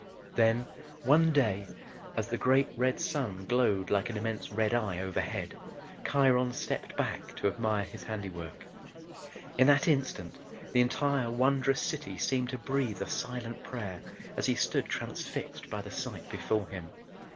Then one day, as the great red sun glowed like an immense red eye overhead, Kiron stepped back to admire his handiwork. In that instant the entire wondrous city seemed to breathe a silent prayer as he stood transfixed by the sight before him.